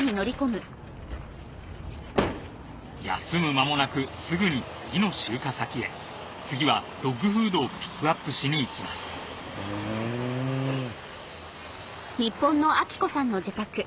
休む間もなくすぐに次の集荷先へ次はドッグフードをピックアップしに行きますいや。